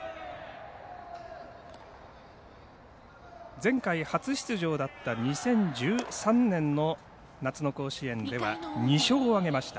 前回、初出場だった２０１３年の夏の甲子園では２勝を挙げました。